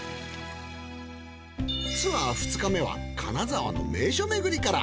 ツアー２日目は金沢名所めぐりから。